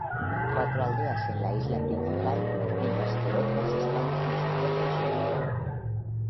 Cuatro aldeas en la isla principal, mientras que otras están en su propio islote.